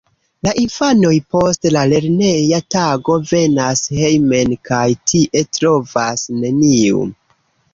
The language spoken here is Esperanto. La infanoj post la lerneja tago venas hejmen kaj tie trovas neniun.